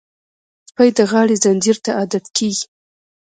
سپي د غاړې زنځیر ته عادت کېږي.